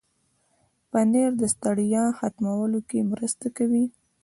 پنېر د ستړیا ختمولو کې مرسته کوي.